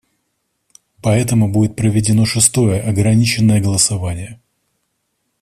Поэтому будет проведено шестое ограниченное голосование.